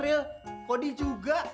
real kody juga